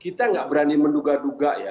kita nggak berani menduga duga ya